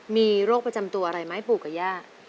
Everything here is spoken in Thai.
มีโรคประจำตัวอะไรไหมปู่กับย่า